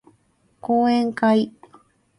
講演会